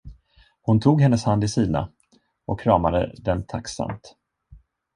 Hon tog hennes hand i sina, och kramade den tacksamt.